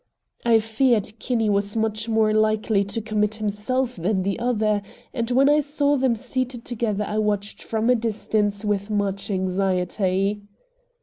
I feared Kinney was much more likely to commit himself than the other, and when I saw them seated together I watched from a distance with much anxiety.